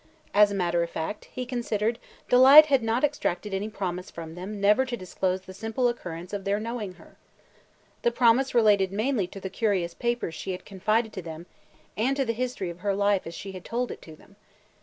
As a matter of fact, he considered, Delight had not extracted any promise from them never to disclose the simple occurrence of their knowing her. The promise related mainly to the curious papers she had confided to them and to the history of her life as she had told it to them.